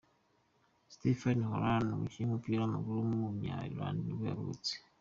Stephen O'Halloran, umukinnyi w’umupira w’amaguru w’umunya Ireland nibwo yavutse.